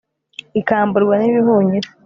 ikamburwa n'ibihunyira